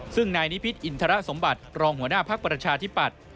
ซึ่งนายนิพิษอินทรสมบัติรองหัวหน้าภพภพธิปัตร